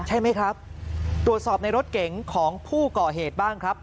ใช่ไหมครับตรวจสอบในรถเก๋งของผู้ก่อเหตุบ้างครับ